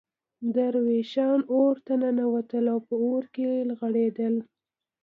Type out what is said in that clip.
درویشان اورته ننوتل او په اور کې رغړېدل.